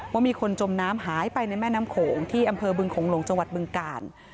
ว่ามีคนจมน้ำหายไปในแม่น้ำโขงที่อำเภอบึงโขงหลงจังหวัดบึงกาล